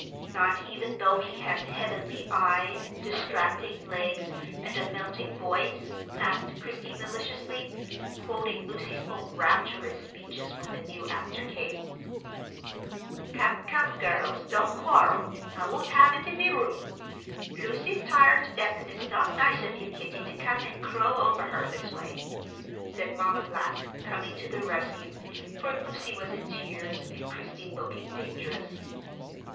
"Not even though he has 'heavenly eyes,' 'distracting legs,' and 'a melting voice?'" asked Christie maliciously, quoting Lucy's own rapturous speeches when the new actor came. "Come, come, girls, don't quarrel. I won't 'ave it in me room. Lucy's tired to death, and it's not nice of you, Kitty, to come and crow over her this way," said Mamma Black, coming to the rescue, for Lucy was in tears, and Christie looking dangerous.